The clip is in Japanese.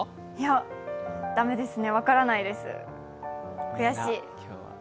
駄目ですね、分からないです、悔しい。